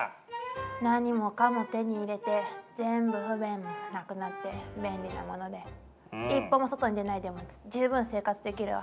何もかも手に入れて全部不便もなくなって便利なもので一歩も外に出ないでも十分生活できるわ。